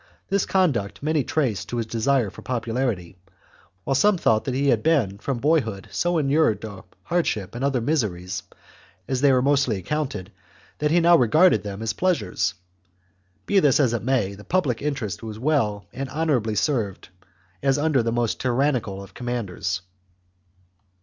This conduct many traced to his desire for popularity, while some thought that he had been from boyhood so inured to hardship and other miseries, as they are mostly accounted, that he now regarded them as pleasures. Be this as it may, the public interests were as well and honourably served as under the most tyrannical of commanders.